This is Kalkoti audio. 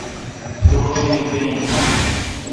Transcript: روݭ می بین۔